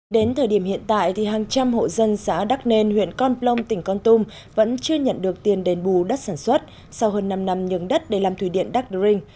đến thời điểm hiện tại thì hàng trăm hộ dân xã đắc nền huyện con plong tỉnh con tum vẫn chưa nhận được tiền đền bù đất sản xuất sau hơn năm năm nhường đất để làm thủy điện đắc đu rinh